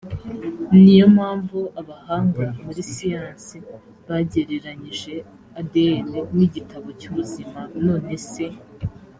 ni yo mpamvu abahanga muri siyansi bagereranyije adn n igitabo cy ubuzima none se